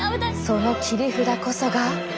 その切り札こそが。